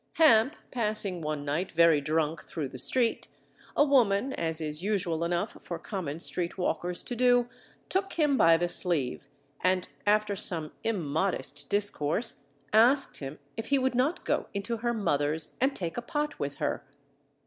Hamp, passing one night very drunk through the street, a woman, as is usual enough for common street walkers to do, took him by the sleeve, and after some immodest discourse, asked him if he would not go into her mother's and take a pot with her.